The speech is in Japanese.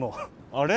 あれ？